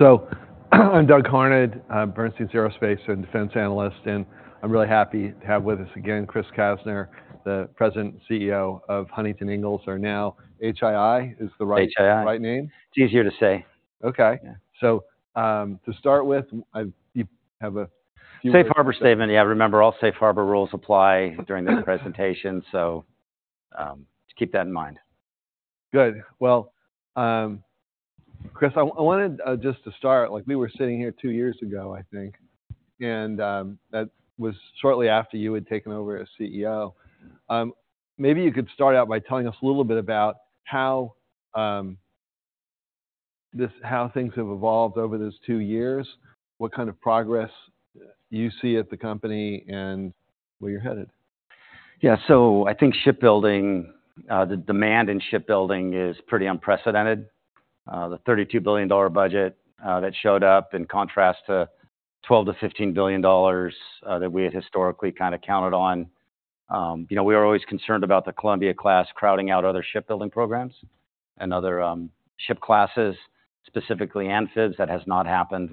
So, I'm Doug Harned, Bernstein Aerospace and Defense Analyst, and I'm really happy to have with us again, Chris Kastner, the President and CEO of Huntington Ingalls, or now HII, is the right- HII - right name? It's easier to say. Okay. Yeah. So, to start with, you have a few- Safe harbor statement. Yeah, remember, all safe harbor rules apply during this presentation, so just keep that in mind. Good. Well, Chris, I wanted just to start, like, we were sitting here two years ago, I think, and that was shortly after you had taken over as CEO. Maybe you could start out by telling us a little bit about how things have evolved over those two years, what kind of progress you see at the company, and where you're headed. Yeah. So I think shipbuilding, the demand in shipbuilding is pretty unprecedented. The $32 billion budget that showed up in contrast to $12 billion-$15 billion that we had historically kind of counted on. You know, we were always concerned about the Columbia class crowding out other shipbuilding programs and other ship classes, specifically amphibs. That has not happened.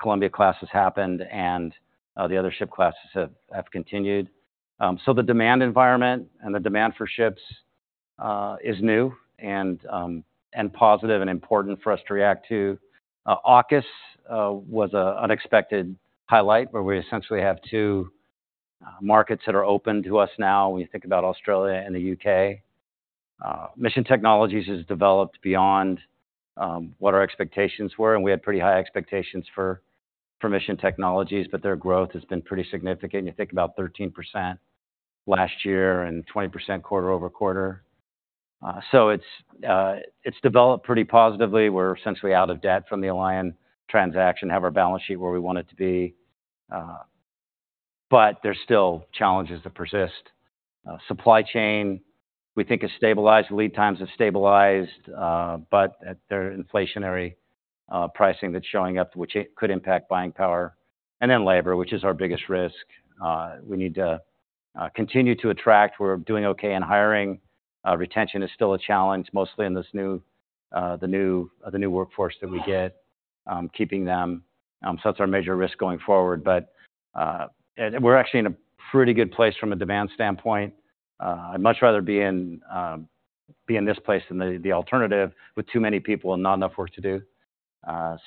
Columbia class has happened, and the other ship classes have continued. So the demand environment and the demand for ships is new and positive and important for us to react to. AUKUS was an unexpected highlight, where we essentially have two markets that are open to us now, when you think about Australia and the U.K. Mission Technologies has developed beyond what our expectations were, and we had pretty high expectations for Mission Technologies, but their growth has been pretty significant. You think about 13% last year and 20% quarter-over-quarter. So it's developed pretty positively. We're essentially out of debt from the Alion transaction, have our balance sheet where we want it to be. But there's still challenges that persist. Supply chain, we think has stabilized. Lead times have stabilized, but at their inflationary pricing that's showing up, which could impact buying power, and then labor, which is our biggest risk. We need to continue to attract. We're doing okay in hiring. Retention is still a challenge, mostly in this new workforce that we get, keeping them. So that's our major risk going forward. But, we're actually in a pretty good place from a demand standpoint. I'd much rather be in this place than the alternative, with too many people and not enough work to do.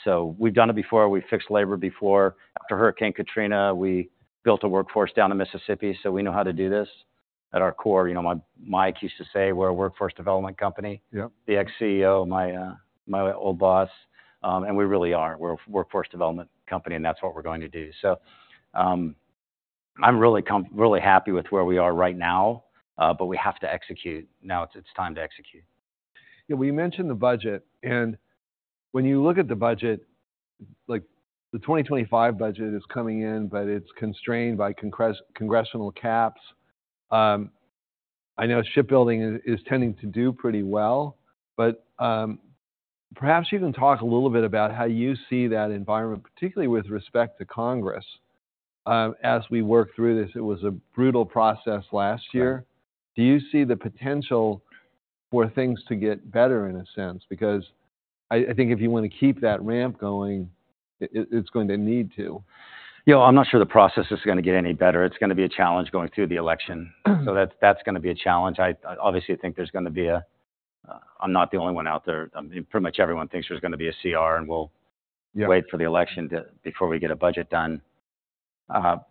So we've done it before. We've fixed labor before. After Hurricane Katrina, we built a workforce down in Mississippi, so we know how to do this. At our core, you know, Mike used to say, "We're a workforce development company. Yep. The ex-CEO, my, my old boss. And we really are. We're a workforce development company, and that's what we're going to do. So, I'm really happy with where we are right now, but we have to execute. Now, it's time to execute. Yeah, well, you mentioned the budget, and when you look at the budget, like, the 2025 budget is coming in, but it's constrained by congressional caps. I know shipbuilding is tending to do pretty well, but perhaps you can talk a little bit about how you see that environment, particularly with respect to Congress, as we work through this. It was a brutal process last year. Do you see the potential for things to get better in a sense? Because I think if you want to keep that ramp going, it's going to need to. You know, I'm not sure the process is gonna get any better. It's gonna be a challenge going through the election. So that's, that's gonna be a challenge. I obviously think there's gonna be a—I'm not the only one out there. Pretty much everyone thinks there's gonna be a CR, and we'll- Yeah... wait for the election to before we get a budget done.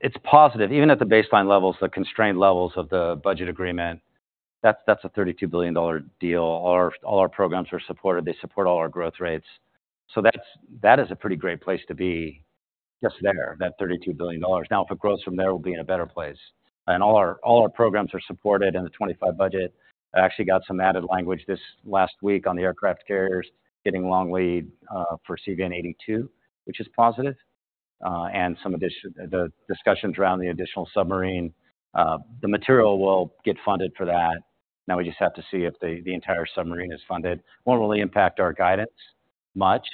It's positive, even at the baseline levels, the constraint levels of the budget agreement, that's, that's a $32 billion deal. All, all our programs are supported. They support all our growth rates. So that's, that is a pretty great place to be, just there, that $32 billion. Now, if it grows from there, we'll be in a better place. And all our, all our programs are supported, in the 2025 budget. I actually got some added language this last week on the aircraft carriers, getting long lead for CVN-82, which is positive. And the discussions around the additional submarine, the material will get funded for that. Now, we just have to see if the, the entire submarine is funded. Won't really impact our guidance much,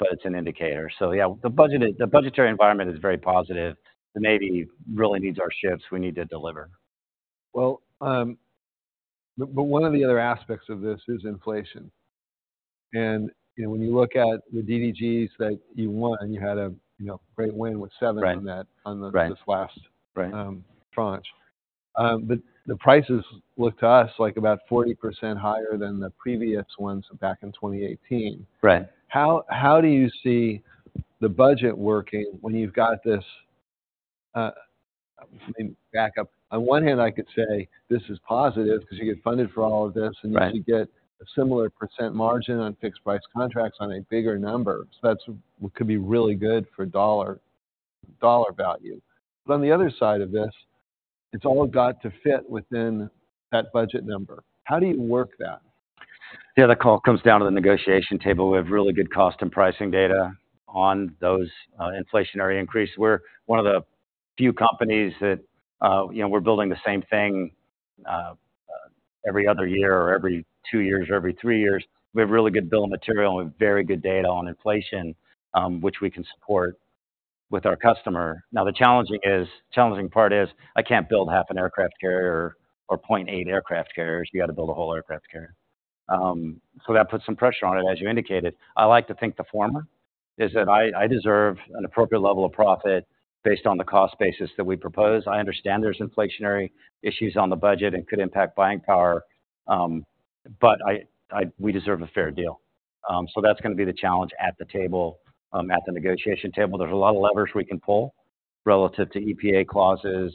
but it's an indicator. So yeah, the budget, the budgetary environment is very positive. The Navy really needs our ships. We need to deliver. Well, but one of the other aspects of this is inflation. And, you know, when you look at the DDGs that you won, you had a, you know, great win with seven- Right on that, on the Right - this last- Right tranche. But the prices look to us like about 40% higher than the previous ones back in 2018. Right. How do you see the budget working when you've got this... Let me back up. On one hand, I could say this is positive because you get funded for all of this- Right And you get a similar percent margin on fixed-price contracts on a bigger number. So that's could be really good for dollar, dollar value. But on the other side of this, it's all got to fit within that budget number. How do you work that? Yeah, the call comes down to the negotiation table. We have really good cost and pricing data on those, inflationary increases. We're one of the few companies that, you know, we're building the same thing, every other year or every two years or every three years. We have really good bill of material and very good data on inflation, which we can support with our customer. Now, the challenging part is, I can't build half an aircraft carrier or 0.8 aircraft carriers. You got to build a whole aircraft carrier. So that puts some pressure on it, as you indicated. I like to think the former, is that I, I deserve an appropriate level of profit based on the cost basis that we propose. I understand there's inflationary issues on the budget and could impact buying power, but I, we deserve a fair deal. So that's gonna be the challenge at the table, at the negotiation table. There's a lot of levers we can pull relative to EPA clauses.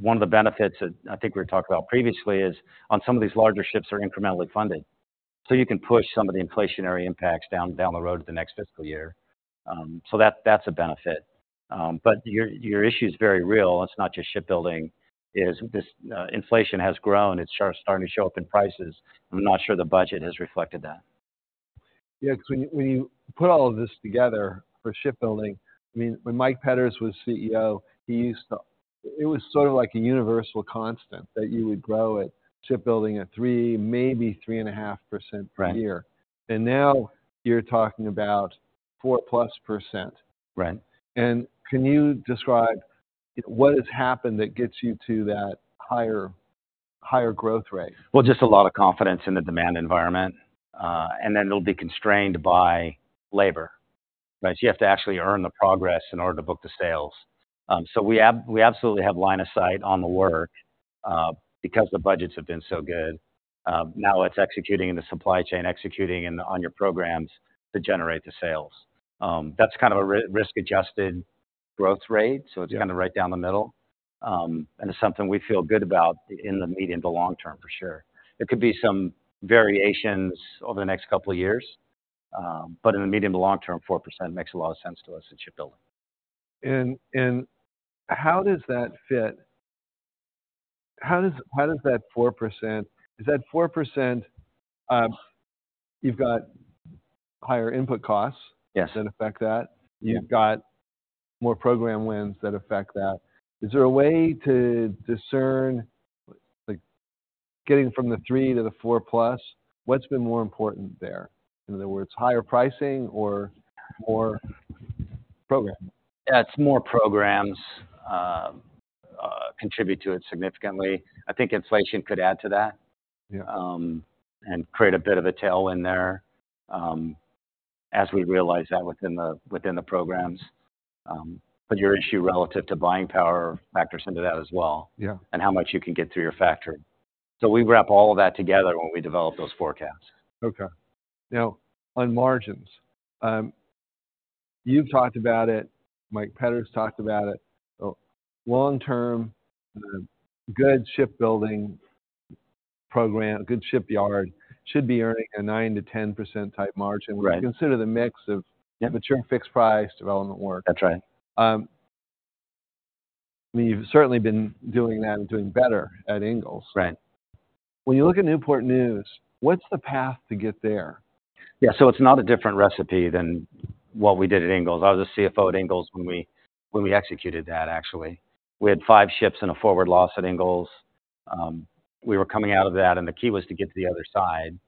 One of the benefits that I think we talked about previously is on some of these larger ships are incrementally funded. So you can push some of the inflationary impacts down the road to the next fiscal year. So that's a benefit. But your issue is very real. It's not just shipbuilding. This inflation has grown, it's starting to show up in prices. I'm not sure the budget has reflected that. Yeah, because when you, when you put all of this together for shipbuilding, I mean, when Mike Petters was CEO, he used to-- it was sort of like a universal constant, that you would grow at shipbuilding at 3, maybe 3.5%. Right... per year. Now you're talking about 4%+. Right. Can you describe what has happened that gets you to that higher, higher growth rate? Well, just a lot of confidence in the demand environment. And then it'll be constrained by labor, right? You have to actually earn the progress in order to book the sales. So we absolutely have line of sight on the work because the budgets have been so good. Now it's executing in the supply chain, executing on your programs to generate the sales. That's kind of a risk adjusted growth rate, so- Yeah... it's kind of right down the middle. And it's something we feel good about in the medium to long term, for sure. There could be some variations over the next couple of years, but in the medium to long term, 4% makes a lot of sense to us at shipbuilding. How does that fit? How does that 4%? Is that 4%, you've got higher input costs- Yes -that affect that? Yeah. You've got more program wins that affect that. Is there a way to discern, like, getting from the 3 to the 4+, what's been more important there? In other words, higher pricing or, or program? Yeah, it's more programs, contribute to it significantly. I think inflation could add to that- Yeah... and create a bit of a tailwind there, as we realize that within the programs. But your issue relative to buying power factors into that as well- Yeah -and how much you can get through your factory. So we wrap all of that together when we develop those forecasts. Okay. Now, on margins, you've talked about it, Mike Petters talked about it. So long term, good shipbuilding program, a good shipyard, should be earning a 9%-10% type margin- Right when you consider the mix of Yeah mature fixed-price development work. That's right. I mean, you've certainly been doing that and doing better at Ingalls. Right. When you look at Newport News, what's the path to get there? Yeah, so it's not a different recipe than what we did at Ingalls. I was a CFO at Ingalls when we, when we executed that, actually. We had 5 ships and a forward loss at Ingalls. We were coming out of that, and the key was to get to the other side,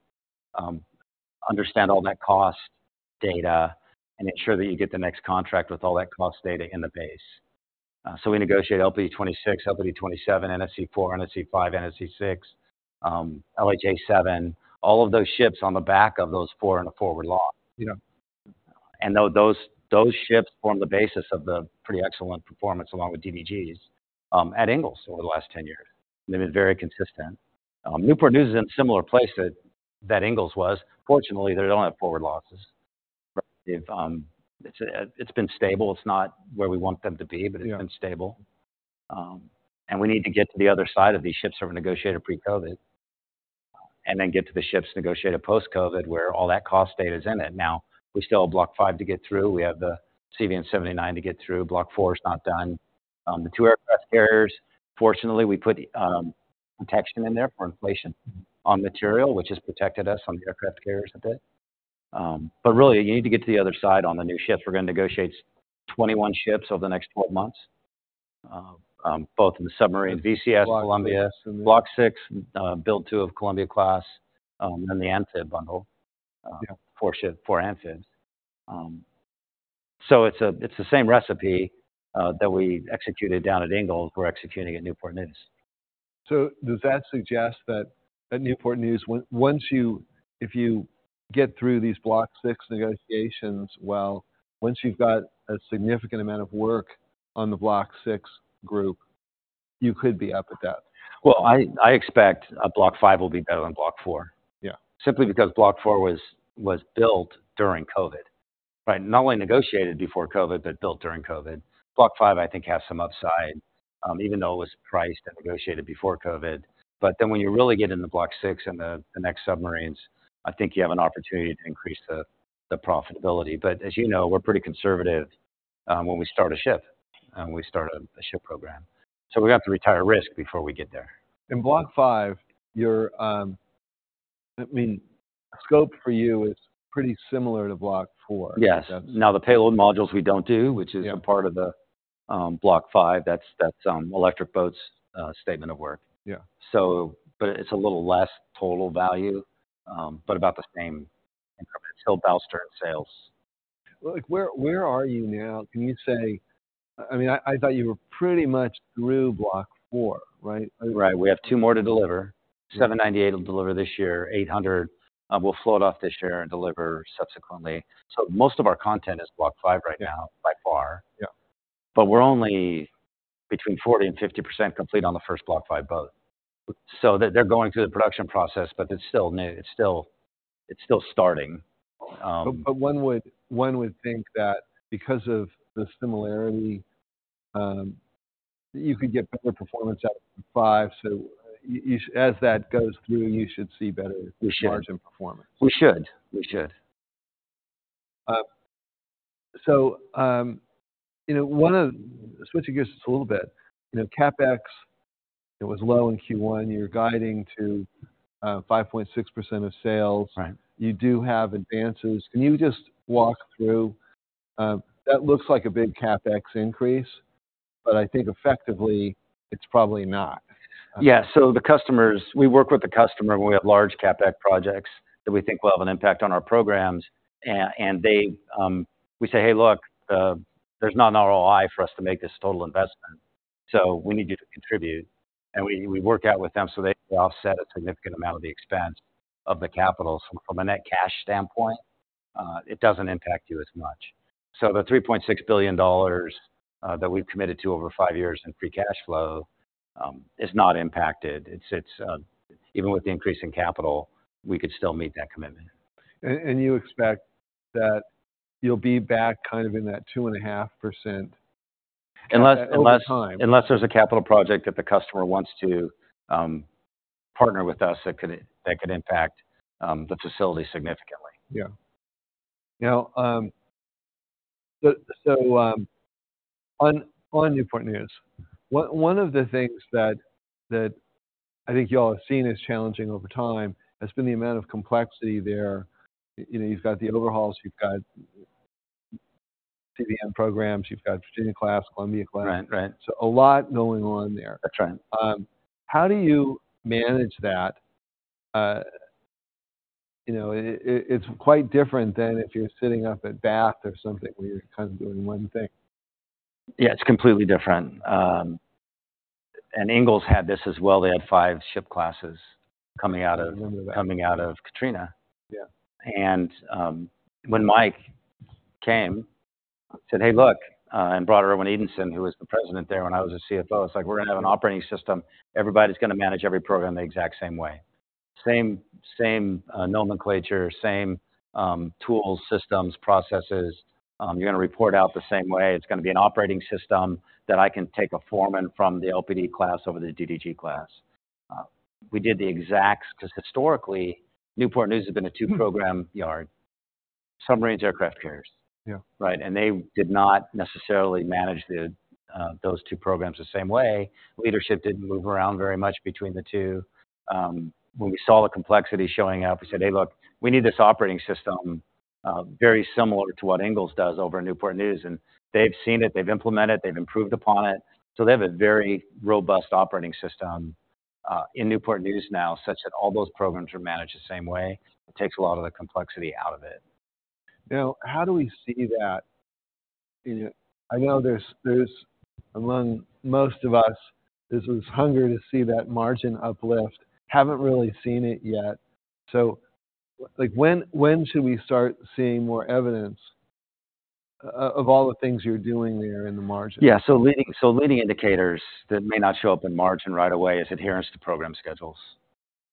understand all net cost data, and ensure that you get the next contract with all that cost data in the base. So we negotiated LPD-26, LPD-27, NSC-4, NSC-5, NSC-6, LHA-7, all of those ships on the back of those four and a forward loss. Yeah. And though those ships form the basis of the pretty excellent performance along with DDGs at Ingalls over the last 10 years. They've been very consistent. Newport News is in a similar place that Ingalls was. Fortunately, they don't have forward losses. It's been stable. It's not where we want them to be- Yeah But it's been stable. And we need to get to the other side of these ships that were negotiated pre-COVID, and then get to the ships negotiated post-COVID, where all that cost data is in it. Now, we still have Block V to get through. We have the CVN-79 to get through. Block IV is not done. The two aircraft carriers, fortunately, we put protection in there for inflation on material, which has protected us on the aircraft carriers a bit. But really, you need to get to the other side on the new ships. We're gonna negotiate 21 ships over the next 12 months, both in the submarine, VCS, Columbia- VCS... Block VI, build two of Columbia-class, and the AMPHIB bundle. Yeah. Four ships, four amphibs. So it's the same recipe that we executed down at Ingalls, we're executing at Newport News. So does that suggest that at Newport News, once you get through these Block VI negotiations well, once you've got a significant amount of work on the Block VI group, you could be up with that? Well, I expect Block V will be better than Block IV. Yeah. Simply because Block IV was built during COVID. Right, not only negotiated before COVID, but built during COVID. Block V, I think, has some upside, even though it was priced and negotiated before COVID. But then when you really get into Block VI and the next submarines, I think you have an opportunity to increase the profitability. But as you know, we're pretty conservative when we start a ship, and we start a ship program. So we have to retire risk before we get there. In Block V, I mean, scope for you is pretty similar to Block IV. Yes. Now, the payload modules we don't do- Yeah Block V, that's Electric Boat's statement of work. Yeah. It's a little less total value, but about the same increments. It'll bolster sales. Like, where are you now? Can you say, I mean, I thought you were pretty much through Block IV, right? Right. We have two more to deliver. 798 will deliver this year, 800 will float off this year and deliver subsequently. So most of our content is Block V right now- Yeah. - by far. Yeah. But we're only between 40% and 50% complete on the first Block V boat. So they, they're going through the production process, but it's still new, it's still, it's still starting. But one would think that because of the similarity, you could get better performance out of V. So as that goes through, you should see better- We should. - margin performance. We should, we should. So, switching gears just a little bit, you know, CapEx, it was low in Q1. You're guiding to 5.6% of sales. Right. You do have advances. Can you just walk through, that looks like a big CapEx increase, but I think effectively, it's probably not. Yeah. So the customers. We work with the customer when we have large CapEx projects that we think will have an impact on our programs, and they. We say, "Hey, look, there's not an ROI for us to make this total investment, so we need you to contribute." And we work out with them so they offset a significant amount of the expense of the capital. So from a net cash standpoint, it doesn't impact you as much. So the $3.6 billion that we've committed to over five years in free cash flow is not impacted. It's even with the increase in capital, we could still meet that commitment. You expect that you'll be back kind of in that 2.5%- Unless, unless- Over time. Unless there's a capital project that the customer wants to partner with us, that could impact the facility significantly. Yeah. Now, on Newport News, one of the things that I think you all have seen as challenging over time has been the amount of complexity there. You know, you've got the overhauls, you've got CVN programs, you've got Virginia-class, Columbia-class. Right, right. A lot going on there. That's right. How do you manage that? You know, it's quite different than if you're sitting up at Bath or something, where you're kind of doing one thing. Yeah, it's completely different. Ingalls had this as well. They had five ship classes coming out of- I remember that. Coming out of Katrina. Yeah. And, when Mike came, said, "Hey, look," and brought Irwin Edenzon, who was the President there when I was a CFO, it's like, "We're gonna have an operating system. Everybody's gonna manage every program the exact same way. Same, same, nomenclature, same, tools, systems, processes. You're gonna report out the same way. It's gonna be an operating system that I can take a foreman from the LPD class over to the DDG class." We did the exact... 'Cause historically, Newport News has been a two-program yard. Submarines aircraft carriers. Yeah. Right, and they did not necessarily manage the, those two programs the same way. Leadership didn't move around very much between the two. When we saw the complexity showing up, we said, "Hey, look, we need this operating system, very similar to what Ingalls does over at Newport News." And they've seen it, they've implemented it, they've improved upon it. So they have a very robust operating system, in Newport News now, such that all those programs are managed the same way. It takes a lot of the complexity out of it. Now, how do we see that? I know there's among most of us this hunger to see that margin uplift. Haven't really seen it yet. So like, when should we start seeing more evidence of all the things you're doing there in the margin? Yeah, so leading indicators that may not show up in margin right away is adherence to program schedules.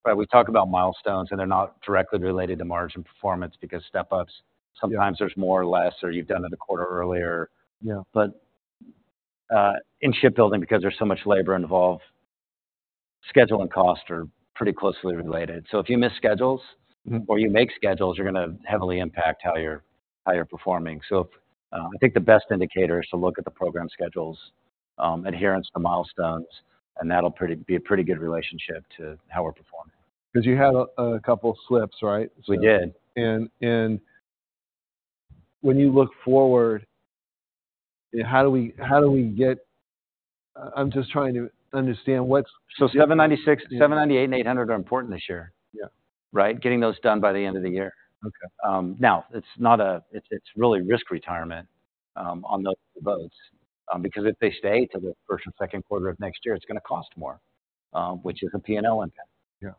Right, we talk about milestones, and they're not directly related to margin performance because step-ups, sometimes there's more or less, or you've done it a quarter earlier. Yeah. But, in shipbuilding, because there's so much labor involved, schedule and cost are pretty closely related. So if you miss schedules- Mm-hmm. or you make schedules, you're gonna heavily impact how you're performing. So, I think the best indicator is to look at the program schedules, adherence to milestones, and that'll be a pretty good relationship to how we're performing. 'Cause you had a couple slips, right? We did. when you look forward, how do we get... I'm just trying to understand what's- 796, 798 and 800 are important this year. Yeah. Right? Getting those done by the end of the year. Okay. Now, it's really risk retirement on the boats. Because if they stay till the first or second quarter of next year, it's gonna cost more, which is a P&L impact. Yeah.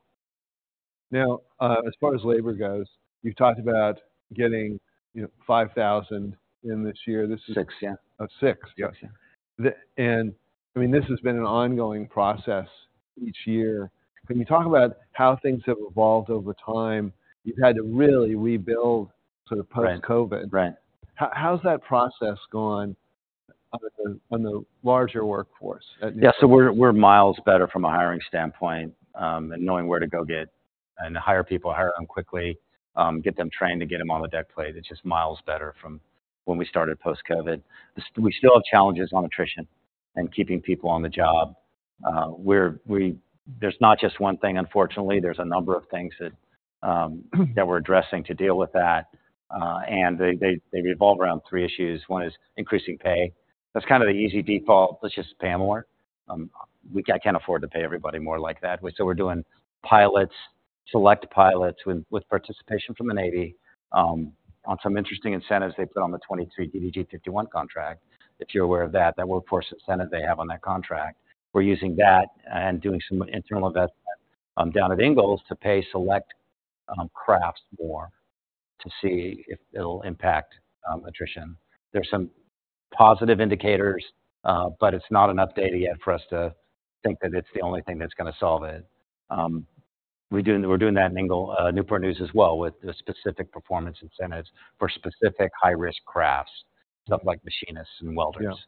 Now, as far as labor goes, you've talked about getting, you know, 5,000 in this year. This is- 6,000, yeah. Uh, 6,000. Yes, yeah. I mean, this has been an ongoing process each year. Can you talk about how things have evolved over time? You've had to really rebuild sort of post-COVID. Right. How's that process gone on the larger workforce? Yeah, so we're miles better from a hiring standpoint, and knowing where to go get and hire people, hire them quickly, get them trained to get them on the deck plate. It's just miles better from when we started post-COVID. We still have challenges on attrition and keeping people on the job. We're not just one thing, unfortunately, there's a number of things that we're addressing to deal with that. And they revolve around three issues. One is increasing pay. That's kind of the easy default. Let's just pay them more. I can't afford to pay everybody more like that. So we're doing pilots, select pilots, with participation from the Navy, on some interesting incentives they put on the 2023 DDG-51 contract, if you're aware of that, that workforce incentive they have on that contract. We're using that and doing some internal investment, down at Ingalls to pay select crafts more, to see if it'll impact attrition. There's some positive indicators, but it's not enough data yet for us to think that it's the only thing that's gonna solve it. We're doing, we're doing that in Ingalls, Newport News as well, with the specific performance incentives for specific high-risk crafts, stuff like machinists and welders.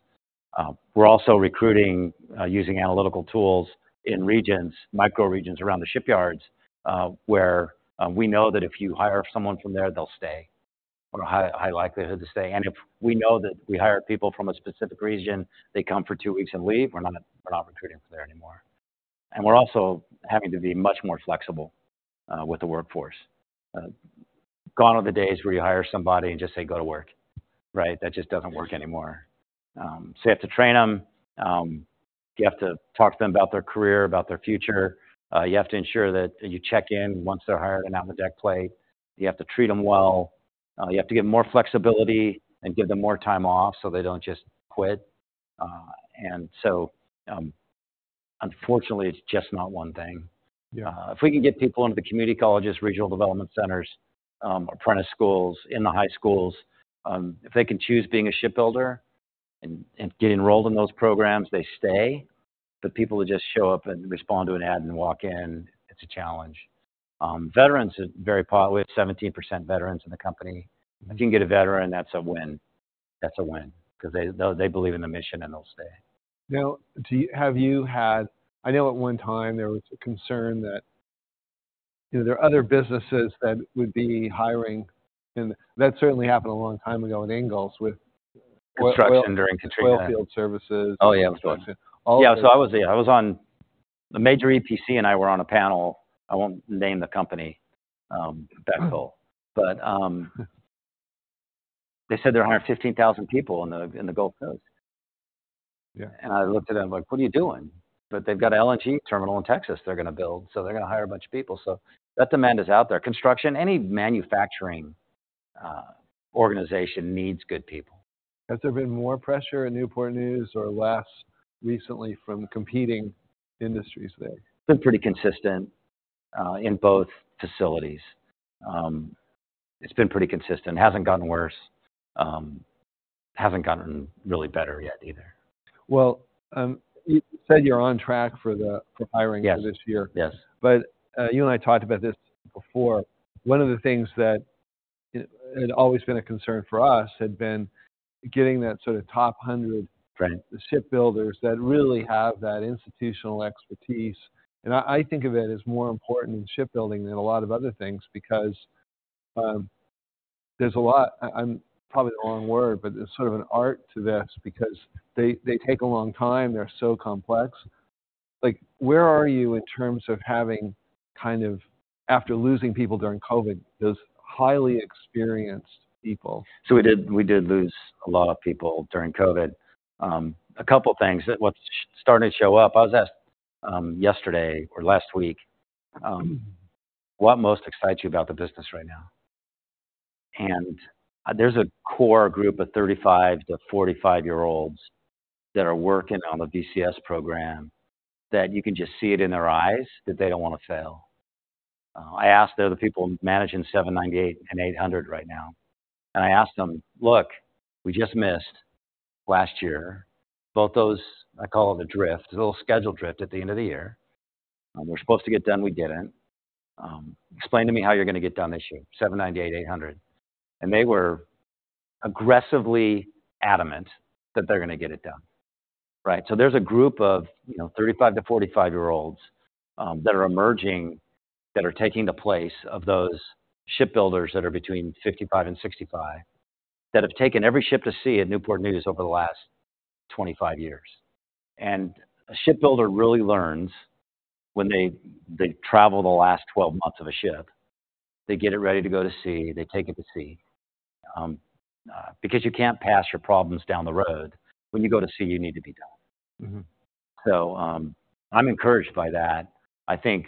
Yeah. We're also recruiting using analytical tools in regions, micro regions around the shipyards, where we know that if you hire someone from there, they'll stay, or high likelihood to stay. And if we know that we hire people from a specific region, they come for two weeks and leave, we're not recruiting from there anymore. And we're also having to be much more flexible with the workforce. Gone are the days where you hire somebody and just say, "Go to work." Right? That just doesn't work anymore. So you have to train them. You have to talk to them about their career, about their future. You have to ensure that you check in once they're hired and out in the deck plate. You have to treat them well. You have to give more flexibility and give them more time off so they don't just quit. And so, unfortunately, it's just not one thing. Yeah. If we can get people into the community colleges, regional development centers, apprentice schools, in the high schools, if they can choose being a shipbuilder and get enrolled in those programs, they stay. The people who just show up and respond to an ad and walk in, it's a challenge. Veterans are. We have 17% veterans in the company. If you can get a veteran, that's a win. That's a win, because they, they, they believe in the mission, and they'll stay. Now, have you had... I know at one time there was a concern that, you know, there are other businesses that would be hiring, and that certainly happened a long time ago in Ingalls with- Construction during Katrina... oil field services. Oh, yeah, of course. All of it. Yeah, so I was there. I was on, the major EPC and I were on a panel, I won't name the company, that's all. But, they said there are 115,000 people in the Gulf Coast. Yeah. I looked at them like, "What are you doing?" But they've got a LNG terminal in Texas they're gonna build, so they're gonna hire a bunch of people. So that demand is out there. Construction, any manufacturing, organization needs good people. Has there been more pressure in Newport News or less recently from competing industries there? It's been pretty consistent in both facilities. It's been pretty consistent. Hasn't gotten worse, hasn't gotten really better yet either. Well, you said you're on track for the, for hiring- Yes - for this year. Yes. But, you and I talked about this before. One of the things that had always been a concern for us had been getting that sort of top hundred- Right... shipbuilders that really have that institutional expertise. And I think of it as more important in shipbuilding than a lot of other things, because there's a lot, probably the wrong word, but there's sort of an art to this because they take a long time, they're so complex. Like, where are you in terms of having kind of, after losing people during COVID, those highly experienced people? So we did lose a lot of people during COVID. A couple of things. What's starting to show up, I was asked yesterday or last week, "What most excites you about the business right now?" And there's a core group of 35-45 year olds that are working on the VCS program, that you can just see it in their eyes, that they don't wanna fail. I asked the other people managing 798 and 800 right now, and I asked them, "Look, we just missed last year. Both those, I call it the drift, the little schedule drift at the end of the year. We're supposed to get done, we didn't. Explain to me how you're gonna get done this year, 798, 800." And they were aggressively adamant that they're gonna get it done, right? So there's a group of, you know, 35- to 45-year-olds that are emerging, that are taking the place of those shipbuilders that are between 55 and 65, that have taken every ship to sea at Newport News over the last 25 years. And a shipbuilder really learns when they, they travel the last 12 months of a ship, they get it ready to go to sea, they take it to sea. Because you can't pass your problems down the road. When you go to sea, you need to be done. Mm-hmm. So, I'm encouraged by that. I think,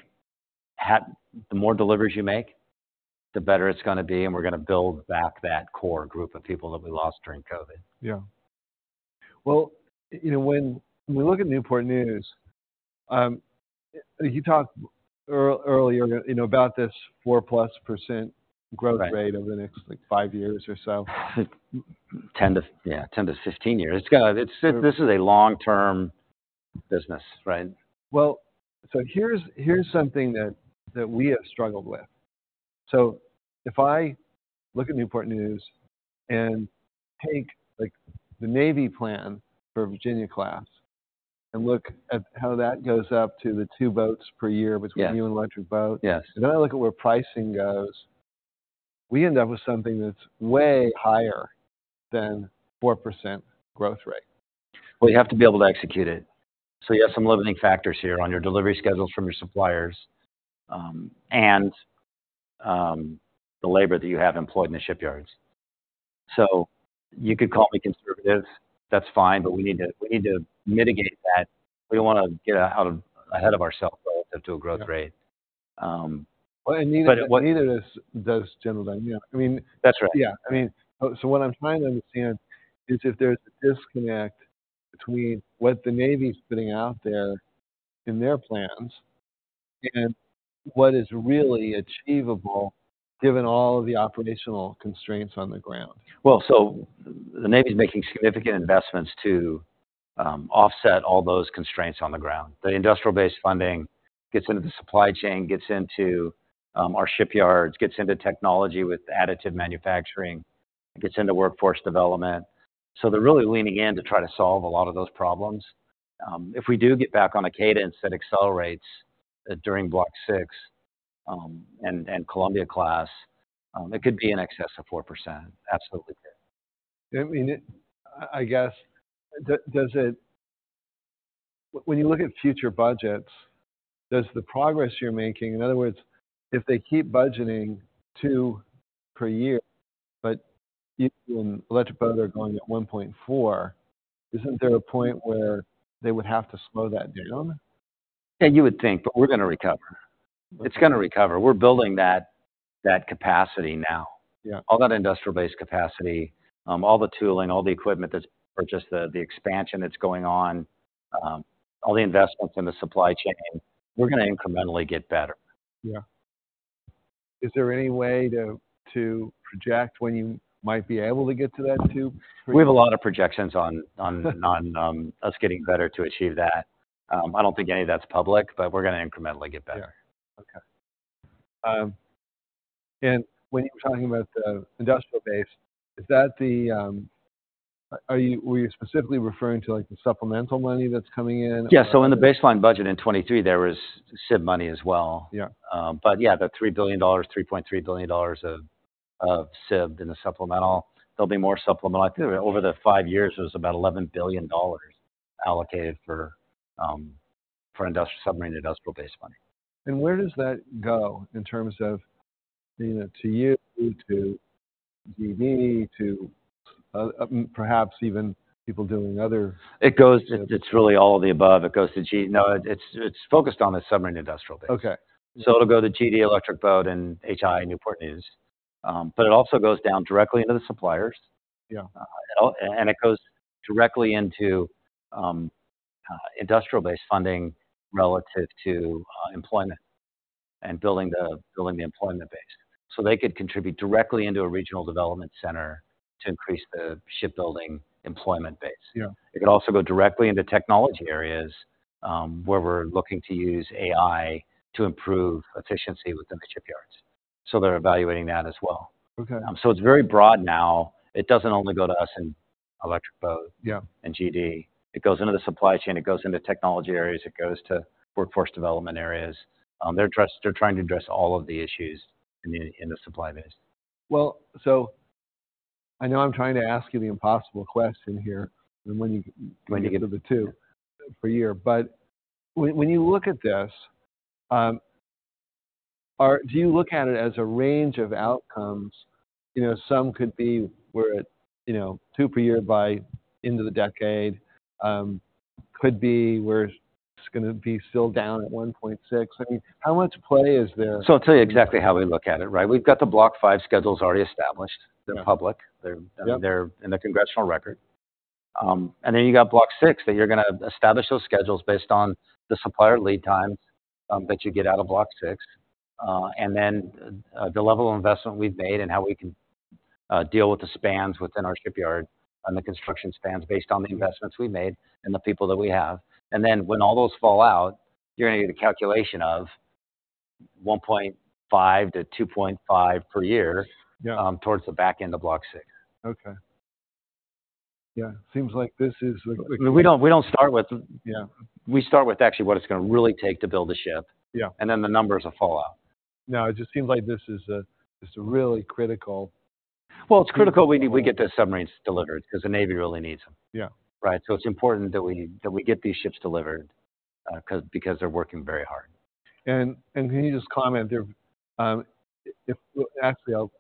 the more deliveries you make, the better it's gonna be, and we're gonna build back that core group of people that we lost during COVID. Yeah. Well, you know, when we look at Newport News, you talked earlier, you know, about this 4%+- Right growth rate over the next, like, five years or so. 10-15 years. Yeah, it's a long-term business, right? Well, so here's something that we have struggled with. So if I look at Newport News and take, like, the Navy plan for Virginia class, and look at how that goes up to the two boats per year between- Yeah - you and Electric Boat. Yes. Then I look at where pricing goes... we end up with something that's way higher than 4% growth rate. Well, you have to be able to execute it. So you have some limiting factors here on your delivery schedules from your suppliers, and the labor that you have employed in the shipyards. So you could call me conservative, that's fine, but we need to, we need to mitigate that. We don't wanna get out of- ahead of ourselves relative to a growth rate. But- Well, and neither does General Dynamics. Yeah. I mean- That's right. Yeah. I mean, so what I'm trying to understand is if there's a disconnect between what the Navy's putting out there in their plans and what is really achievable, given all of the operational constraints on the ground. Well, so the Navy's making significant investments to offset all those constraints on the ground. The industrial-based funding gets into the supply chain, gets into our shipyards, gets into technology with additive manufacturing, gets into workforce development. So they're really leaning in to try to solve a lot of those problems. If we do get back on a cadence that accelerates, during Block VI and Columbia-class, it could be in excess of 4%. Absolutely could. I mean, I guess, does it... when you look at future budgets, does the progress you're making, in other words, if they keep budgeting two per year, but you and Electric Boat are going at 1.4, isn't there a point where they would have to slow that down? Yeah, you would think, but we're gonna recover. It's gonna recover. We're building that, that capacity now. Yeah. All that industrial-based capacity, all the tooling, all the equipment that's... Or just the expansion that's going on, all the investments in the supply chain, we're gonna incrementally get better. Yeah. Is there any way to, to project when you might be able to get to that two per year? We have a lot of projections on us getting better to achieve that. I don't think any of that's public, but we're gonna incrementally get better. Yeah. Okay. And when you were talking about the industrial base, is that the... Are you- were you specifically referring to, like, the supplemental money that's coming in? Yeah. So in the baseline budget in 2023, there was SIB money as well. Yeah. But yeah, the $3 billion, $3.3 billion of SIB in the supplemental, there'll be more supplemental. I think over the five years, there was about $11 billion allocated for industrial submarine industrial base money. Where does that go in terms of, you know, to you, to GD, to, perhaps even people doing other- It goes... It's really all of the above. No, it's focused on the Submarine Industrial Base. Okay. So it'll go to GD Electric Boat and HII in Newport News. But it also goes down directly into the suppliers. Yeah. And it goes directly into industrial-based funding relative to employment and building the employment base. So they could contribute directly into a regional development center to increase the shipbuilding employment base. Yeah. It could also go directly into technology areas, where we're looking to use AI to improve efficiency within the shipyards. So they're evaluating that as well. Okay. So it's very broad now. It doesn't only go to us in Electric Boat- Yeah... and GD. It goes into the supply chain, it goes into technology areas, it goes to workforce development areas. They're trying to address all of the issues in the supply base. Well, I know I'm trying to ask you the impossible question here, and when you- When you get- Get to the two per year. But when you look at this, do you look at it as a range of outcomes? You know, some could be where, you know, two per year by end of the decade, could be where it's gonna be still down at 1.6. I mean, how much play is there? So I'll tell you exactly how we look at it, right? We've got the Block V schedules already established. Yeah. They're public. Yep. They're, I mean, they're in the congressional record. And then you got Block VI, that you're gonna establish those schedules based on the supplier lead times that you get out of Block VI. And then the level of investment we've made and how we can deal with the spans within our shipyard and the construction spans based on the investments we made and the people that we have. And then when all those fall out, you're gonna get a calculation of 1.5-2.5 per year- Yeah... towards the back end of Block VI. Okay. Yeah, seems like this is a- We don't start with- Yeah. We start with actually what it's gonna really take to build a ship. Yeah. Then the numbers will fall out. No, it just seems like this is a, this is a really critical- Well, it's critical we get the submarines delivered because the Navy really needs them. Yeah. Right? So it's important that we get these ships delivered, because they're working very hard. Can you just comment there? Actually, I'll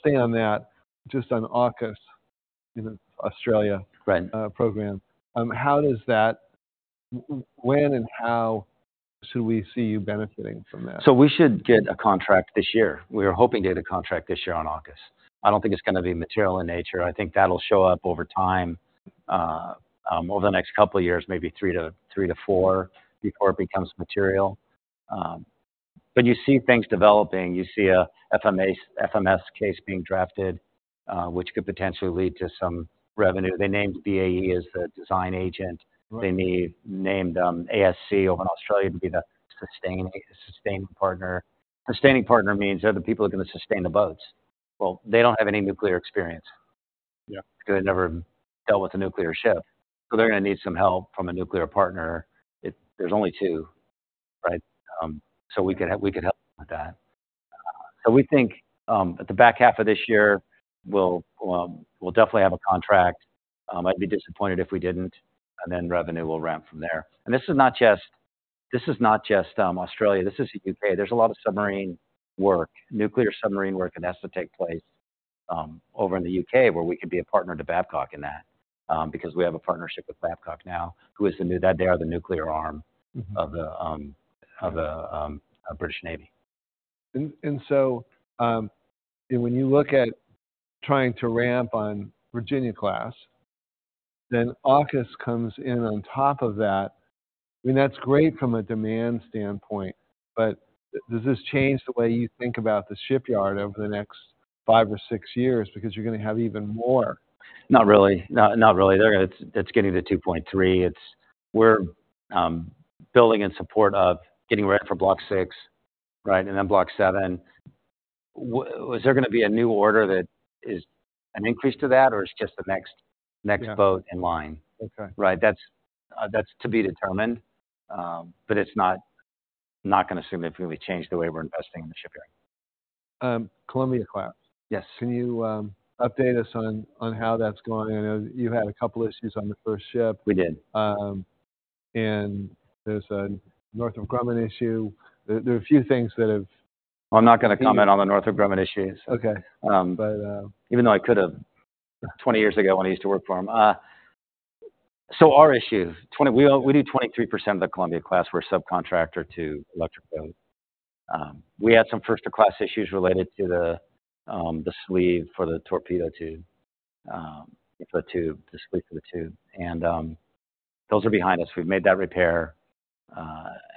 stay on that, just on AUKUS, you know, Australia- Right... program. When and how should we see you benefiting from that? We should get a contract this year. We are hoping to get a contract this year on AUKUS. I don't think it's gonna be material in nature. I think that'll show up over time, over the next couple of years, maybe three to four, before it becomes material. But you see things developing, you see a FMS case being drafted, which could potentially lead to some revenue. They named BAE as the design agent. Right. They may have named ASC over in Australia to be the sustaining partner. Sustaining partner means they're the people who are gonna sustain the boats. Well, they don't have any nuclear experience. Yeah, because they've never dealt with a nuclear ship, so they're gonna need some help from a nuclear partner. There's only two, right? So we could help with that. So we think at the back half of this year, we'll definitely have a contract. I'd be disappointed if we didn't, and then revenue will ramp from there. And this is not just Australia, this is U.K. There's a lot of submarine work, nuclear submarine work, that has to take place, over in the U.K, where we could be a partner to Babcock in that, because we have a partnership with Babcock now, who is the new-- They are the nuclear arm- Mm-hmm... of the British Navy. when you look at trying to ramp on Virginia-class, then AUKUS comes in on top of that, I mean, that's great from a demand standpoint, but does this change the way you think about the shipyard over the next five or six years? Because you're gonna have even more. Not really. Not, not really. They're, it's, it's getting to 2.3. It's, we're building in support of getting ready for Block VI, right, and then Block VII. Is there gonna be a new order that is an increase to that, or it's just the next, next- Yeah... boat in line? Okay. Right. That's to be determined, but it's not gonna significantly change the way we're investing in the shipyard. Columbia-class. Yes. Can you update us on how that's going? I know you had a couple issues on the first ship. We did. and there's a Northrop Grumman issue. There are a few things that have- Well, I'm not gonna comment on the Northrop Grumman issues. Okay. Um- But, uh- Even though I could have, 20 years ago, when I used to work for them. So our issues, we do 23% of the Columbia-class. We're a subcontractor to Electric Boat. We had some first-of-class issues related to the sleeve for the torpedo tube, the tube, the sleeve for the tube. And those are behind us. We've made that repair,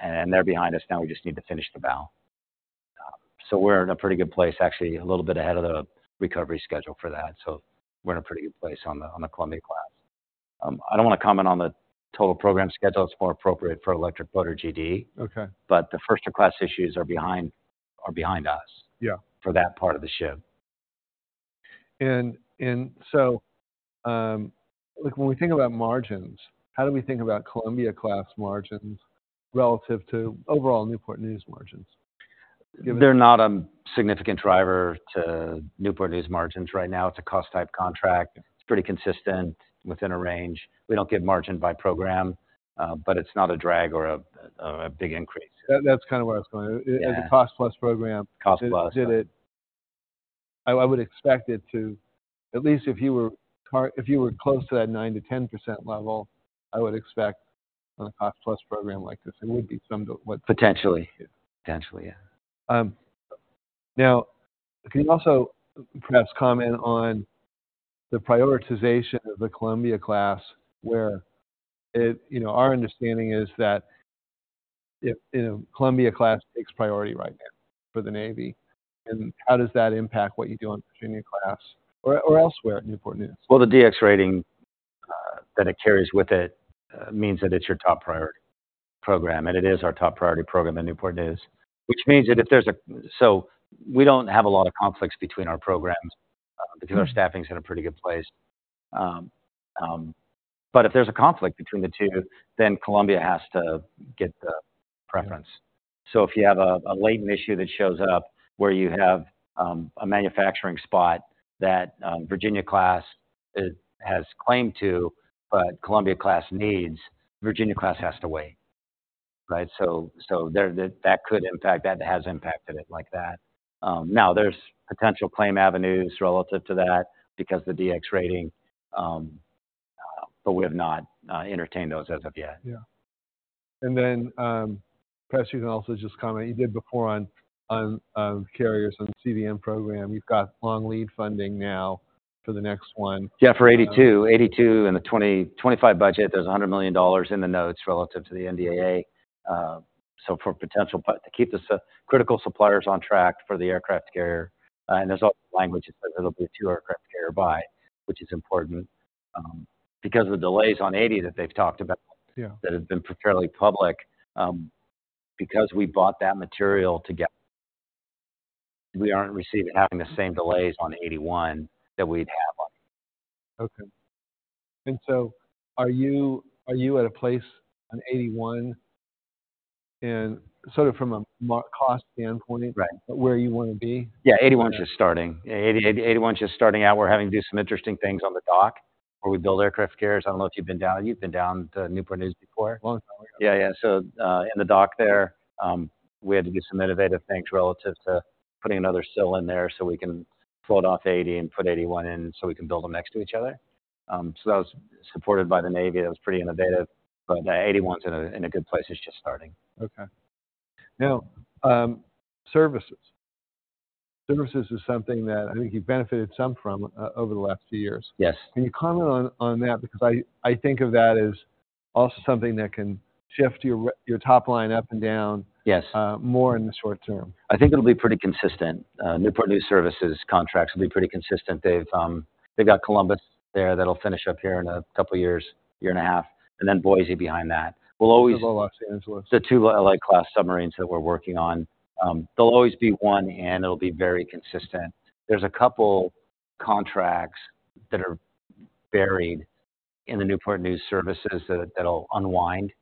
and they're behind us now. We just need to finish the bow. So we're in a pretty good place, actually, a little bit ahead of the recovery schedule for that. So we're in a pretty good place on the Columbia-class. I don't wanna comment on the total program schedule. It's more appropriate for Electric Boat or GD. Okay. But the first-of-class issues are behind us. Yeah -for that part of the ship. Like, when we think about margins, how do we think about Columbia-class margins relative to overall Newport News margins? They're not a significant driver to Newport News margins right now. It's a cost type contract. It's pretty consistent within a range. We don't give margin by program, but it's not a drag or a big increase. That, that's kind of where I was going. Yeah. As a cost-plus program- Cost plus... did it. I would expect it to... At least if you were close to that 9%-10% level, I would expect on a cost plus program like this, it would be similar to what- Potentially. Yeah. Potentially, yeah. Now, can you also perhaps comment on the prioritization of the Columbia-class, where it... You know, our understanding is that if, you know, Columbia-class takes priority right now for the Navy, and how does that impact what you do on Virginia-class or elsewhere at Newport News? Well, the DX Rating that it carries with it means that it's your top priority program, and it is our top priority program at Newport News. Which means that. So we don't have a lot of conflicts between our programs. Mm... because our staffing is in a pretty good place. But if there's a conflict between the two, then Columbia has to get the preference. Mm. So if you have a latent issue that shows up where you have a manufacturing spot that Virginia-class has claimed to, but Columbia-class needs, Virginia-class has to wait. Right? So there, that could impact, that has impacted it like that. Now there's potential claim avenues relative to that because the DX Rating, but we have not entertained those as of yet. Yeah. And then, perhaps you can also just comment, you did before on carriers on the CVN program. You've got long lead funding now for the next one. Yeah, for 82. 82 and the 2025 budget, there's $100 million in the notes relative to the NDAA, so for potential, but to keep the super-critical suppliers on track for the aircraft carrier. And there's language that it'll be two aircraft carrier buy, which is important, because the delays on 80 that they've talked about- Yeah... that have been fairly public. Because we bought that material together, we aren't having the same delays on 81 that we'd have on it. Okay. Are you at a place on 81 and sort of from a margin-cost standpoint- Right... where you wanna be? Yeah, 81's just starting. Yeah, 80, 81's just starting out. We're having to do some interesting things on the dock where we build aircraft carriers. I don't know if you've been down... You've been down to Newport News before? Well, yeah. Yeah, yeah. So, in the dock there, we had to do some innovative things relative to putting another sill in there, so we can float off 80 and put 81 in, so we can build them next to each other. So that was supported by the Navy. It was pretty innovative, but 81's in a good place. It's just starting. Okay. Now, services. Services is something that I think you've benefited some from, over the last few years. Yes. Can you comment on that? Because I think of that as also something that can shift your top line up and down- Yes... more in the short term. I think it'll be pretty consistent. Newport News Shipbuilding contracts will be pretty consistent. They've, they've got Columbus there that'll finish up here in a couple of years, year and a half, and then Boise behind that. We'll always- The Los Angeles. The two LA-class submarines that we're working on, there'll always be one, and it'll be very consistent. There's a couple contracts that are buried in the Newport News services that, that'll unwind,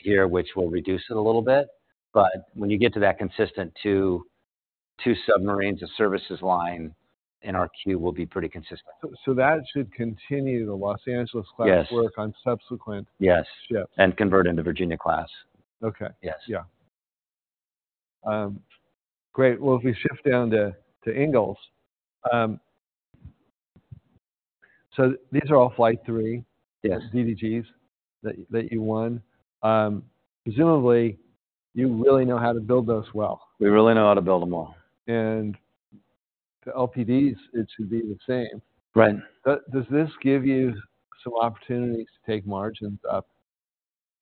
here, which will reduce it a little bit. But when you get to that consistent two, two submarines, a services line in our queue will be pretty consistent. So that should continue the Los Angeles-class Yes work on subsequent Yes -ships. Convert into Virginia class. Okay. Yes. Yeah. Great. Well, if we shift down to Ingalls. So these are all Flight III? Yes. DDGs that you won. Presumably, you really know how to build those well. We really know how to build them well. The LPDs, it should be the same. Right. Does this give you some opportunities to take margins up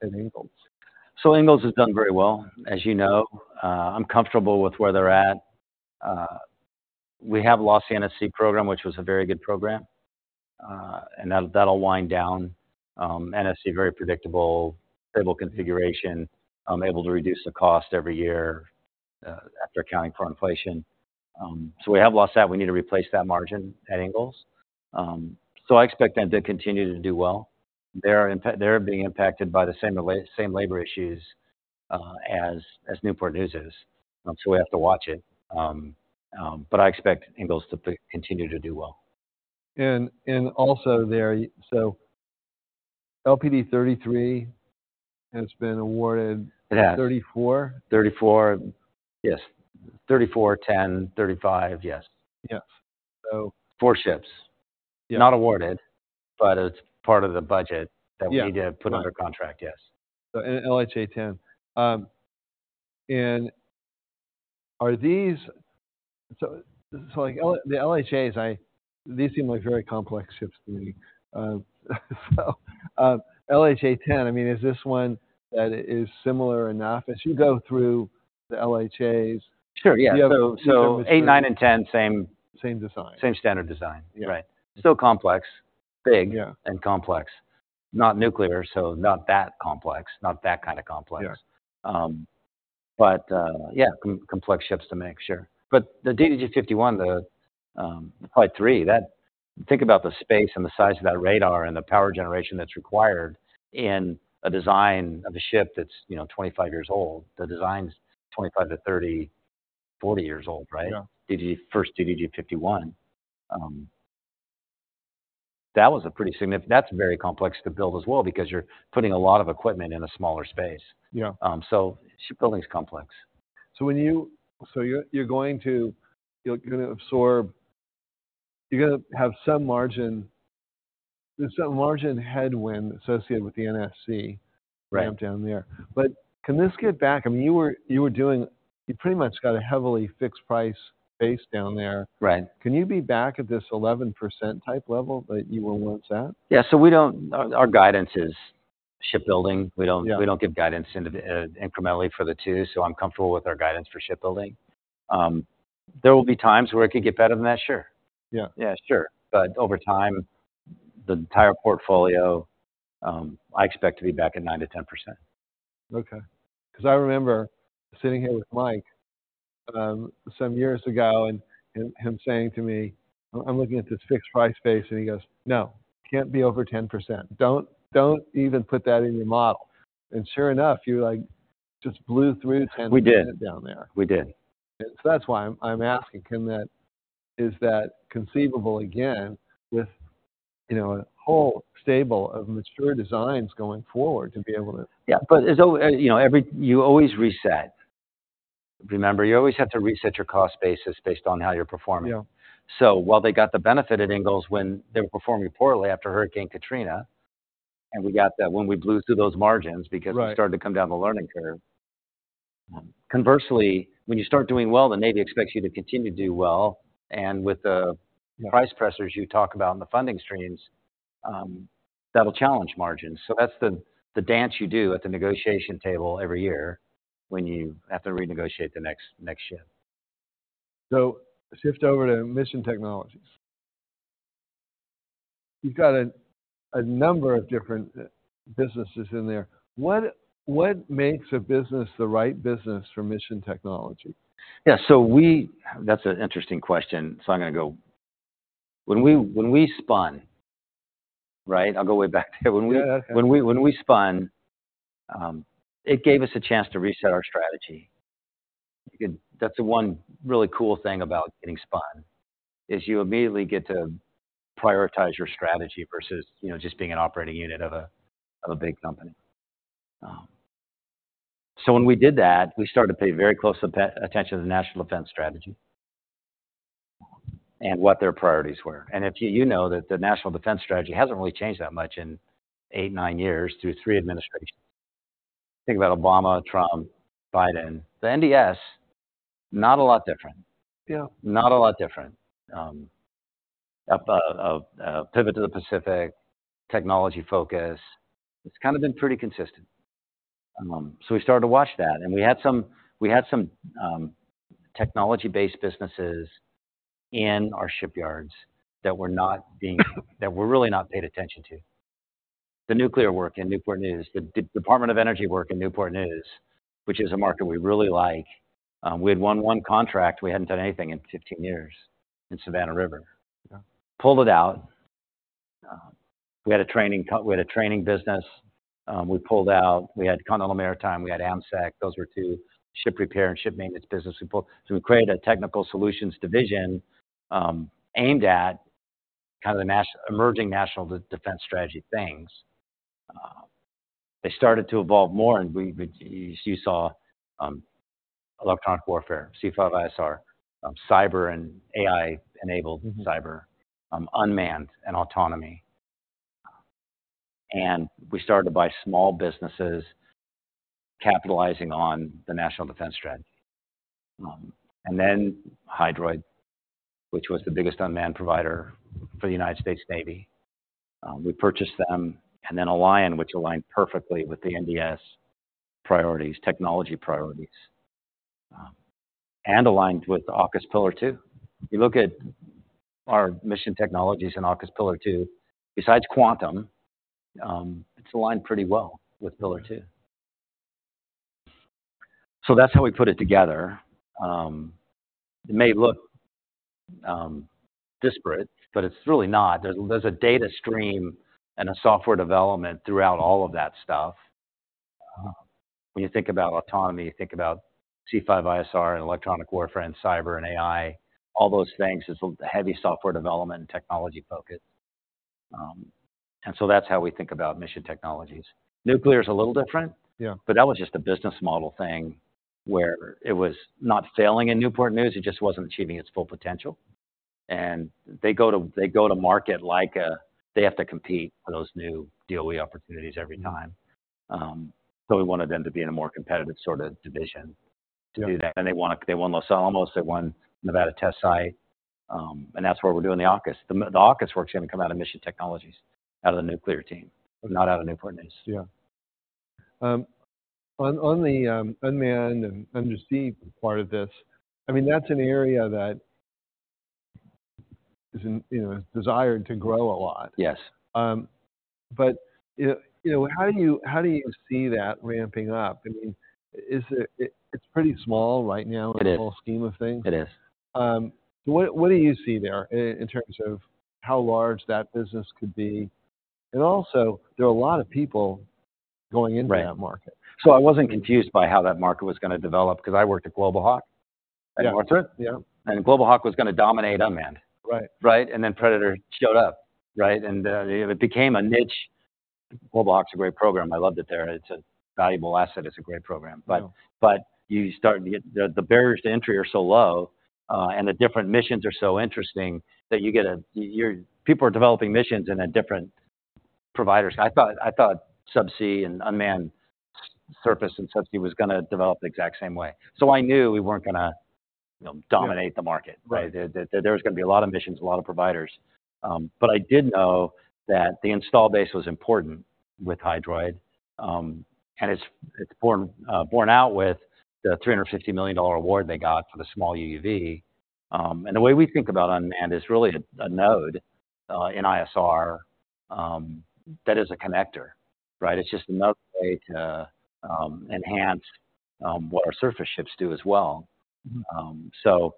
at Ingalls? So Ingalls has done very well, as you know. I'm comfortable with where they're at. We have lost the NSC program, which was a very good program, and that, that'll wind down. NSC, very predictable, stable configuration, able to reduce the cost every year, after accounting for inflation. So we have lost that. We need to replace that margin at Ingalls. So I expect them to continue to do well. They're being impacted by the same labor issues, as Newport News is, so we have to watch it. But I expect Ingalls to continue to do well. LPD-33 has been awarded- It has... 34? 34, yes. 34, 10, 35, yes. Yes, so- Four ships. Yeah. Not awarded, but it's part of the budget- Yeah that we need to put under contract, yes. So, LHA-10. And are these the LHAs? These seem like very complex ships to me. So, LHA-10, I mean, is this one that is similar enough as you go through the LHAs? Sure, yeah. You have- So, 8, 9, and 10, same- Same design. Same standard design. Yeah. Right. Still complex. Big- Yeah... and complex. Not nuclear, so not that complex, not that kind of complex. Yeah. But, yeah, complex ships to make, sure. But the DDG-51, the Flight III, that—think about the space and the size of that radar and the power generation that's required in a design of a ship that's, you know, 25 years old. The design's 25-30, 40 years old, right? Yeah. DDG, first DDG-51. That's very complex to build as well because you're putting a lot of equipment in a smaller space. Yeah. Shipbuilding's complex. So you're going to absorb... You're gonna have some margin. There's some margin headwind associated with the NSC- Right... ramp down there. But can this get back? I mean, you were doing-- you pretty much got a heavily fixed price base down there. Right. Can you be back at this 11% type level that you were once at? Yeah. So our guidance is shipbuilding. Yeah. We don't, we don't give guidance into the, incrementally for the two, so I'm comfortable with our guidance for shipbuilding. There will be times where it could get better than that. Sure. Yeah. Yeah, sure. But over time, the entire portfolio, I expect to be back at 9%-10%. Okay. 'Cause I remember sitting here with Mike some years ago, and him saying to me... I'm looking at this fixed price space, and he goes, "No, can't be over 10%. Don't even put that in your model." And sure enough, you like just blew through 10%- We did -down there. We did. So that's why I'm asking, is that conceivable again, with, you know, a whole stable of mature designs going forward, to be able to- Yeah, but you know, you always reset. Remember, you always have to reset your cost basis based on how you're performing. Yeah. So while they got the benefit at Ingalls when they were performing poorly after Hurricane Katrina, and we got that when we blew through those margins- Right... because we started to come down the learning curve. Conversely, when you start doing well, the Navy expects you to continue to do well, and with the- Yeah... price pressures you talk about and the funding streams, that'll challenge margins. So that's the dance you do at the negotiation table every year when you have to renegotiate the next ship. So shift over to Mission Technologies. You've got a number of different businesses in there. What makes a business the right business for Mission Technologies? Yeah, so that's an interesting question, so I'm gonna go... When we spun, right? I'll go way back to when we- Yeah. When we spun, it gave us a chance to reset our strategy. That's the one really cool thing about getting spun, is you immediately get to prioritize your strategy versus, you know, just being an operating unit of a big company. So when we did that, we started to pay very close attention to the National Defense Strategy and what their priorities were. And if you know that the National Defense Strategy hasn't really changed that much in eight, nine years through three administrations. Think about Obama, Trump, Biden. The NDS, not a lot different. Yeah. Not a lot different. Pivot to the Pacific, technology focus, it's kind of been pretty consistent. So we started to watch that, and we had some technology-based businesses in our shipyards that were really not paid attention to... the nuclear work in Newport News, the Department of Energy work in Newport News, which is a market we really like. We had won one contract, we hadn't done anything in 15 years in Savannah River. Pulled it out. We had a training business, we pulled out. We had Continental Maritime, we had AMSEC. Those were two ship repair and ship maintenance businesses we pulled. So we created a Technical Solutions division, aimed at kind of the emerging national defense strategy things. They started to evolve more, and we, you saw electronic warfare, C5ISR, cyber and AI-enabled- Mm-hmm. - cyber, unmanned and autonomy. And we started to buy small businesses capitalizing on the National Defense Strategy. And then Hydroid, which was the biggest unmanned provider for the United States Navy, we purchased them, and then Alion, which aligned perfectly with the NDS priorities, technology priorities. And aligned with AUKUS Pillar Two. If you look at our Mission Technologies in AUKUS Pillar Two, besides quantum, it's aligned pretty well with Pillar Two. So that's how we put it together. It may look disparate, but it's really not. There's a data stream and a software development throughout all of that stuff. When you think about autonomy, you think about C5ISR and electronic warfare and cyber and AI, all those things, is a heavy software development and technology focus. And so that's how we think about Mission Technologies. Nuclear is a little different- Yeah. But that was just a business model thing where it was not failing in Newport News, it just wasn't achieving its full potential. And they go to, they go to market like a, they have to compete for those new DOE opportunities every time. Mm-hmm. We wanted them to be in a more competitive sort of division. Yeah -to do that. And they won, they won Los Alamos, they won Nevada National Security Site, and that's where we're doing the AUKUS. The AUKUS work's gonna come out of Mission Technologies, out of the nuclear team, but not out of Newport News. Yeah. On the unmanned and undersea part of this, I mean, that's an area that is, you know, desired to grow a lot. Yes. But, you know, how do you see that ramping up? I mean, is it... It's pretty small right now- It is... in the whole scheme of things. It is. What, what do you see there in terms of how large that business could be? And also, there are a lot of people going into that market. Right. So I wasn't confused by how that market was gonna develop, because I worked at Global Hawk. Yeah. Global Hawk was gonna dominate unmanned. Right. Right? And then Predator showed up, right? And, it became a niche. Global Hawk's a great program. I loved it there. It's a valuable asset, it's a great program. Yeah. But you start to get... The barriers to entry are so low, and the different missions are so interesting, that you get—you're people are developing missions in different providers. I thought subsea and unmanned surface and subsea was gonna develop the exact same way. So I knew we weren't gonna, you know- Yeah dominate the market, right? Right. That, that there was gonna be a lot of missions, a lot of providers. But I did know that the installed base was important with Hydroid. And it's borne out with the $350 million award they got for the small UUV. And the way we think about unmanned is really a node in ISR that is a connector, right? It's just another way to enhance what our surface ships do as well. Mm-hmm. So,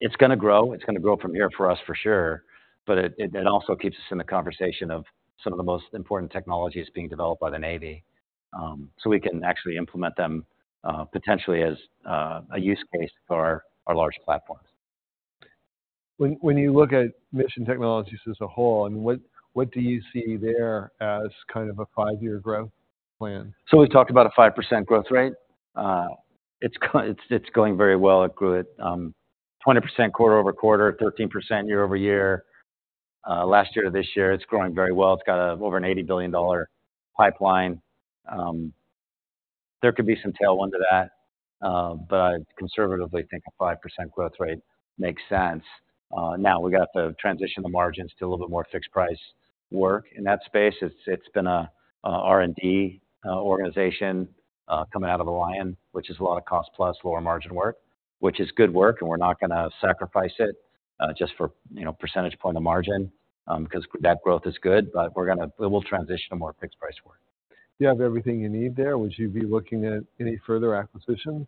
it's gonna grow, it's gonna grow from here for us, for sure. But it also keeps us in the conversation of some of the most important technologies being developed by the Navy, so we can actually implement them, potentially as a use case for our large platforms. When you look at Mission Technologies as a whole, and what do you see there as kind of a five-year growth plan? So we've talked about a 5% growth rate. It's going very well. It grew at 20% quarter-over-quarter, 13% year-over-year. Last year to this year, it's growing very well. It's got over an $80 billion pipeline. There could be some tailwind to that, but I conservatively think a 5% growth rate makes sense. Now, we're gonna have to transition the margins to a little bit more fixed price work in that space. It's been a R&D organization coming out of Alion, which is a lot of cost plus lower margin work. Which is good work, and we're not gonna sacrifice it just for, you know, percentage point of margin, 'cause that growth is good, but we're gonna, we will transition to more fixed price work. Do you have everything you need there, or would you be looking at any further acquisitions?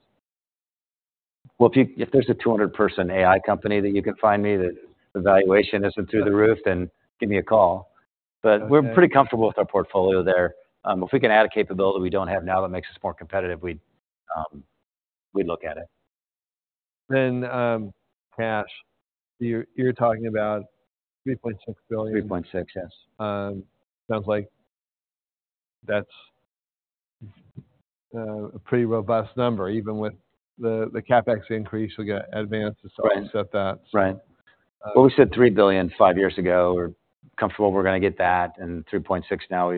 Well, if there's a 200-person AI company that you can find me, that the valuation isn't through the roof, then give me a call. Okay. But we're pretty comfortable with our portfolio there. If we can add a capability we don't have now that makes us more competitive, we'd look at it. Cash, you're talking about $3.6 billion? 3.6, yes. Sounds like that's a pretty robust number, even with the CapEx increase, we got advances- Right to offset that. Right. Uh- Well, we said $3 billion 5 years ago. We're comfortable we're gonna get that, and $3.6 billion now.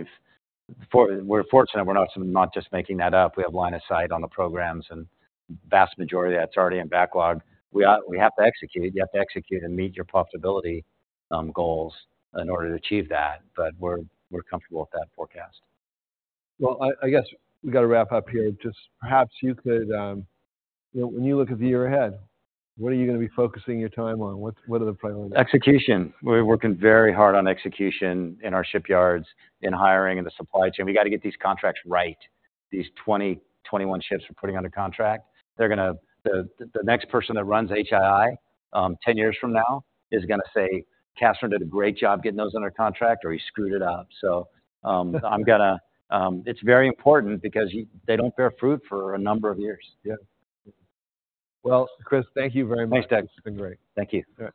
We're fortunate, we're not just making that up. We have line of sight on the programs, and vast majority of that's already in backlog. We have to execute. You have to execute and meet your profitability goals in order to achieve that, but we're comfortable with that forecast. Well, I guess we've got to wrap up here. Just perhaps you could, you know, when you look at the year ahead, what are you gonna be focusing your time on? What are the priorities? Execution. We're working very hard on execution in our shipyards, in hiring, in the supply chain. We got to get these contracts right, these 20, 21 ships we're putting under contract. They're gonna the next person that runs HII, 10 years from now, is gonna say, "Kastner did a great job getting those under contract, or he screwed it up." So, I'm gonna, it's very important because they don't bear fruit for a number of years. Yeah. Well, Chris, thank you very much. Thanks, Doug. It's been great. Thank you.